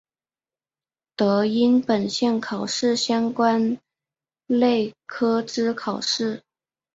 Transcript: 得应本项考试相关类科之考试。